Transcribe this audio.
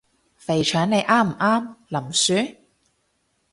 肥腸你啱唔啱？林雪？